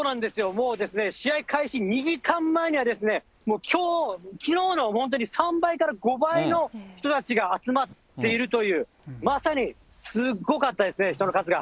もう、試合開始２時間前には、もうきのうの、本当に３倍から５倍の人たちが集まっているという、まさにすごかったですね、人の数が。